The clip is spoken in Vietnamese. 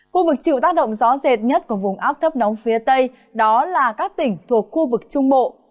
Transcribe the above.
khu vực chịu tác động gió rệt nhất của vùng áp thấp nóng phía tây đó là các tỉnh thuộc khu vực trung bộ